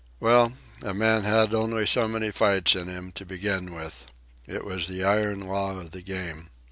Well, a man had only so many fights in him, to begin with. It was the iron law of the game.